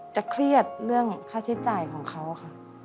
เครียดเรื่องค่าใช้จ่ายของเขาค่ะ